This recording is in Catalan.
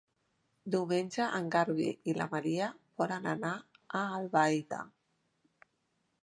Diumenge en Garbí i na Maria volen anar a Albaida.